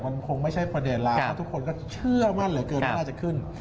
มันคงไม่ใช่ประเด็นแล้วเพราะทุกคนก็เชื่อมั่นเหลือเกินว่าน่าจะขึ้น